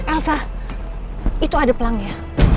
elsa itu ada pelangnya